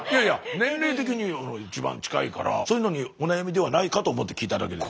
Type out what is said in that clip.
年齢的に一番近いからそういうのにお悩みではないかと思って聞いただけです。